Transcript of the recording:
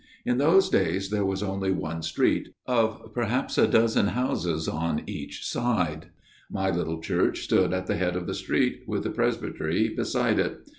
In those days there was only one street, of perhaps a dozen houses on each side. My little church stood at the head of the street, with the presbytery beside it.